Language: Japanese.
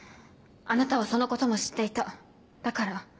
あなたはそのことも知っていただから。